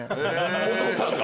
お父さんが？